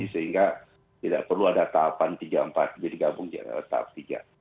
sehingga tidak perlu ada tahapan tiga empat jadi gabung tahap tiga